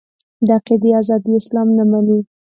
د عقیدې ازادي اسلام نه مني.